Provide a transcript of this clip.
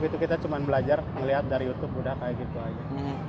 itu kita cuma belajar ngelihat dari youtube udah kayak gitu aja